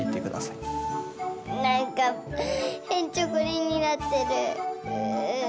なんかへんちょこりんになってる。